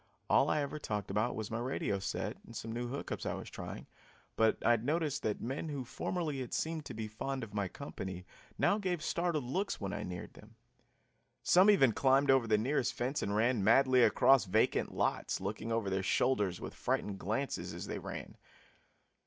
All I ever talked about was my radio set and some new hook ups I was trying, but I had noticed that men who formerly had seemed to be fond of my company now gave startled looks when I neared them. Some even climbed over the nearest fence and ran madly across vacant lots, looking over their shoulders with frightened glances as they ran.